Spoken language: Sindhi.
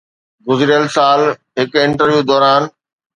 گذريل سال هڪ انٽرويو دوران